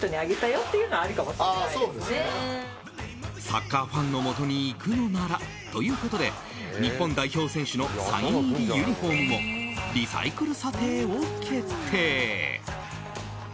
サッカーファンのもとに行くのならということで日本代表選手のサイン入りユニホームもリサイクル査定を決定。